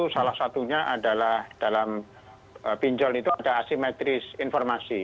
salah satunya adalah dalam pinjol itu ada asimetris informasi